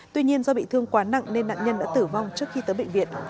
tuy nhiên do bị thương quá nặng nên nạn nhân đã tử vong trước khi tới bệnh viện